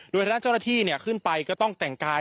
โดยเท่านั้นเจ้าระที่ขึ้นไปก็ต้องแต่งกาย